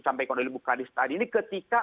sampai kondisi bukaan ini ketika